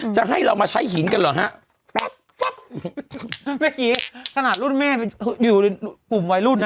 จะให้เรามาใช้หินกันเหรอฮะครับเมื่อกี้ขนาดรุ่นแม่อยู่ในกลุ่มวัยรุ่นนะ